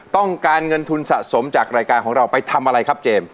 ต้องการเงินทุนสะสมจากรายการของเราไปทำอะไรครับเจมส